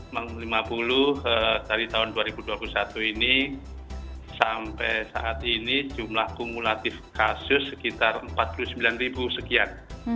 memang lima puluh dari tahun dua ribu dua puluh satu ini sampai saat ini jumlah kumulatif kasus sekitar empat puluh sembilan ribu sekian